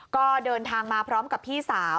ก็เดินทางมาพร้อมกับพี่สาว